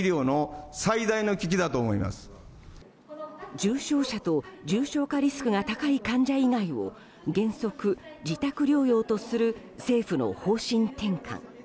重症者と重症化リスクの高い患者以外を原則自宅療養とする政府の方針転換。